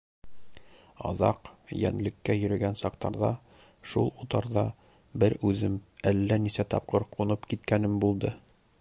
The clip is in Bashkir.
Аҙаҡ, йәнлеккә йөрөгән саҡтарҙа, шул утарҙа бер үҙем әллә нисә тапҡыр ҡунып киткәнем булды.